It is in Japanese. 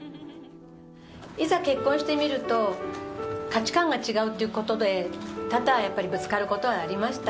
いざ結婚してみると、価値観が違うっていうことで、多々やっぱり、ぶつかることはありました。